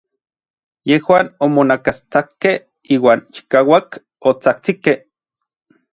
Yejuan omonakastsakkej iuan chikauak otsajtsikej.